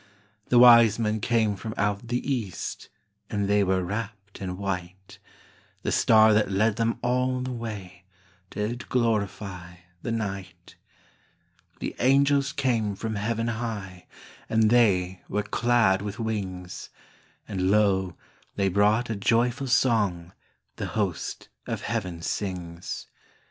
The wise men came from out the east, And they were wrapped in white; The star that led them all the way Did glorify the night. The angels came from heaven high, And they were clad with wings; And lo, they brought a joyful song The host of heaven sings.